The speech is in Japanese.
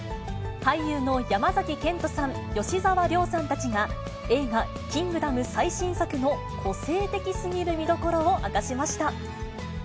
俳優の山崎賢人さん、吉沢亮さんたちが、映画、キングダム最新作の個性的すぎる見どころを明かしました。